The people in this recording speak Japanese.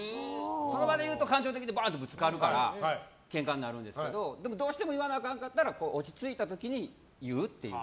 その場で言うと感情的にバーってぶつかるからケンカになるんですけどどうしても言わなあかんかったら落ち着いた時に言うっていう。